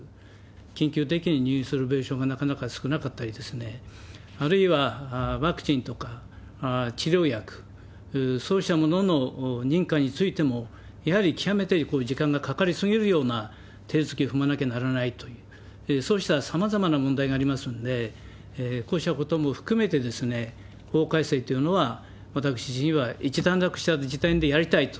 緊急的に入院する病床がなかなか少なかったり、あるいはワクチンとか治療薬、そうしたものの認可についても、やはり極めて時間がかかり過ぎるような手続きを踏まなきゃならないという、そうしたさまざまな問題がありますので、こうしたことも含めて、法改正というのは私自身は一段落した時点でやりたいと。